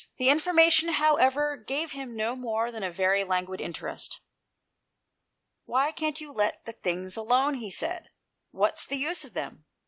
The information, however, gave him no more than a very languid interest. " Why can't you let the things alone ?" he said, " what's the use of them